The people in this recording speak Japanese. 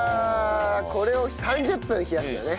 これを３０分冷やすんだよね。